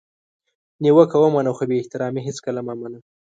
نیوکه ومنه خو بي احترامي هیڅکله مه منه!